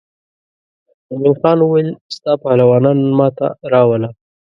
مومن خان وویل ستا پهلوانان نن ما ته راوله.